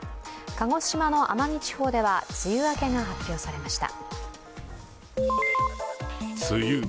鹿児島の奄美地方では梅雨明けが発表されました。